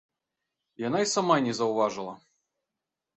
Яна й сама не заўважыла.